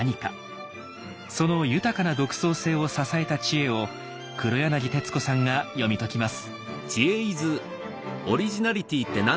その豊かな独創性を支えた知恵を黒柳徹子さんが読み解きます。